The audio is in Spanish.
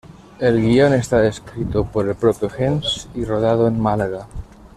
El guion está escrito por el propio Hens y rodado en Málaga.